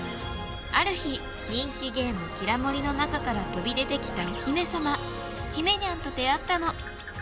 ある日人気ゲーム「キラもり」の中から飛び出てきたお姫様ひめにゃんと出会ったの。